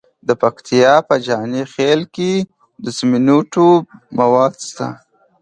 د پکتیا په جاني خیل کې د سمنټو مواد شته.